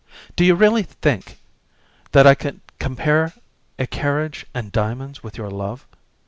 Do you really think that I could compare a carriage and diamonds with your love?